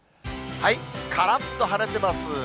からっと晴れてます。